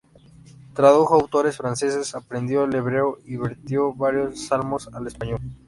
Tradujo autores franceses, aprendió el hebreo y vertió varios Salmos al español.